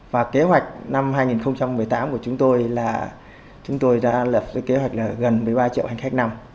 và kế hoạch năm hai nghìn một mươi tám của chúng tôi là chúng tôi đã lập kế hoạch là gần một mươi ba triệu hành khách năm